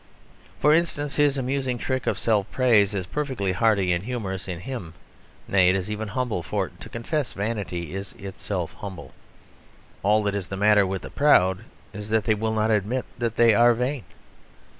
For instance, his amusing trick of self praise is perfectly hearty and humorous in him; nay, it is even humble; for to confess vanity is itself humble. All that is the matter with the proud is that they will not admit that they are vain.